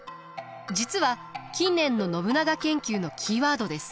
実は近年の信長研究のキーワードです。